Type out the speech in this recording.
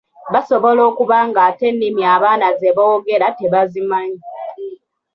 Basobola okuba ng'ate ennimi abaana ze boogera tebazimanyi.